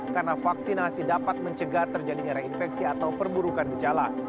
karena vaksinasi dapat mencegah terjadi nyerah infeksi atau perburukan gejala